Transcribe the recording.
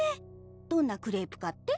どんなクレープかって？